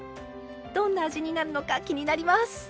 どんな味になるのか気になります！